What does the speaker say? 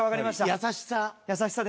優しさ。